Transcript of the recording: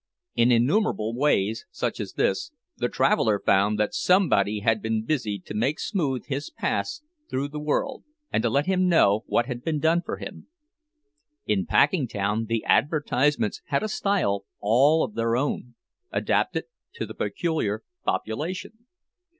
In innumerable ways such as this, the traveler found that somebody had been busied to make smooth his paths through the world, and to let him know what had been done for him. In Packingtown the advertisements had a style all of their own, adapted to the peculiar population.